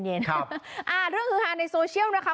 เรื่องฮือฮาในโซเชียลนะคะ